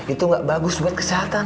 itu gak bagus buat kesehatan